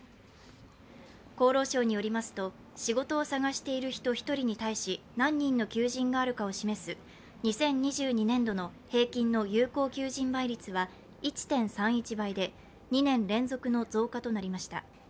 厚労省によりますと仕事を探している人、１人に対し何人の求人があるかを示す２０２２年度の平均の有効求人倍率は１．３１倍で２年連続の増加となりました。